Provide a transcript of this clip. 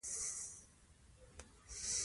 د ځمکپوهنې ډاکټر یم